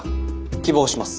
希望します。